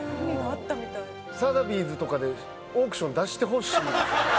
サザビーズとかでオークション出してほしいですね。